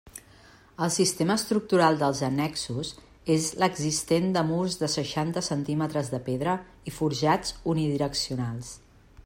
El sistema estructural dels annexos és l'existent de murs de seixanta centímetres de pedra i forjats unidireccionals.